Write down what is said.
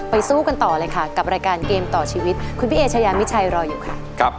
สู้กันต่อเลยค่ะกับรายการเกมต่อชีวิตคุณพี่เอชายามิชัยรออยู่ค่ะ